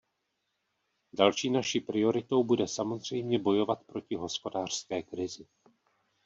Další naší prioritou bude samozřejmě bojovat proti hospodářské krizi.